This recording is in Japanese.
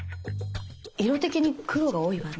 色的に黒が多いわね。